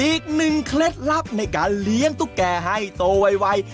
อีกหนึ่งเคล็ดลับในการเลี้ยงตุ๊กแก่ให้โตวัย